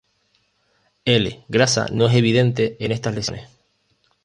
L grasa no es evidente en estas lesiones.